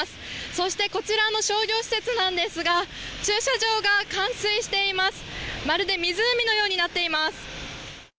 そして、こちらの商業施設なんですが、駐車場が冠水しています、まるで湖のようになっています。